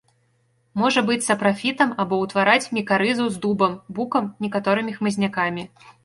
Можа быць сапрафітам або ўтвараць мікарызу з дубам, букам, некаторымі хмызнякамі.